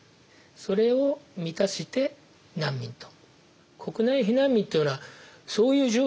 それを満たして「難民」と。